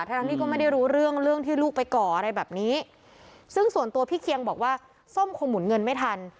ทั้งที่ก็ไม่ได้รู้เรื่องเรื่องที่ลูกไปก่ออะไรแบบนี้ซึ่งส่วนตัวพี่เคียงบอกว่าส้มคงหมุนเงินไม่ทัน